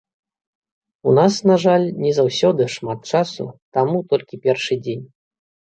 У нас, на жаль, не заўсёды шмат часу, таму толькі першы дзень.